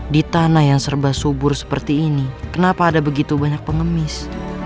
di tanah yang serba subur seperti ini kenapa ada begitu banyak pengemis